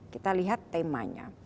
kita lihat temanya